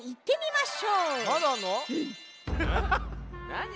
なに？